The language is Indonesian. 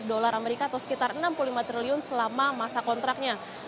dolar amerika atau sekitar enam puluh lima triliun selama masa kontraknya